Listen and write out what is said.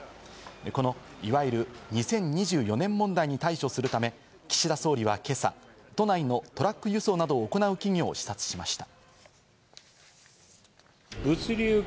このいわゆる２０２４年問題に対処するため、岸田総理は今朝、都内のトラック輸送などを行う企業を視察しました。